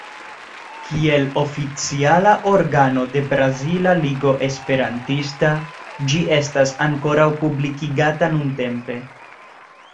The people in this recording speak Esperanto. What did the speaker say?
Kiel oficiala organo de Brazila Ligo Esperantista, ĝi estas ankoraŭ publikigata nuntempe.